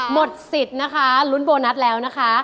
หมดสิทธิ์นะคะลุ้นโบนัสแล้วนะคะ